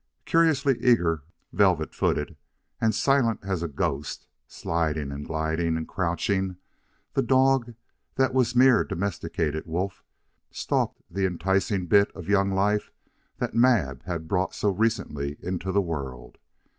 Curiously eager, velvet footed and silent as a ghost, sliding and gliding and crouching, the dog that was mere domesticated wolf stalked the enticing bit of young life that Mab had brought so recently into the world.